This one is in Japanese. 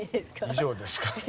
以上ですか？